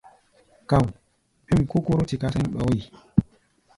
Káu̧u̧, bêm kó Kóró tiká sɛ̌n ɗɔɔ́ yi.